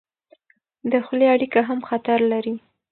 د خولې اړیکه هم خطر لري.